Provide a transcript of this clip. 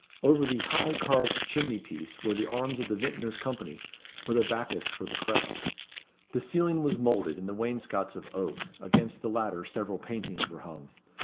Over the high carved chimney piece were the arms of the Vintners' Company, with a Bacchus for the crest. The ceiling was moulded, and the wainscots of oak; against the latter several paintings were hung.